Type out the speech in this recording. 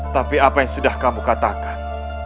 tapi apa yang sudah kamu katakan